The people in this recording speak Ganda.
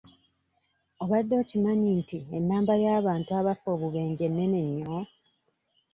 Obadde okimanyi nti enamba y'abantu abafa obubenje nnene nnyo?